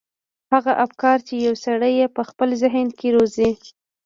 هغه افکار چې يو سړی يې په خپل ذهن کې روزي.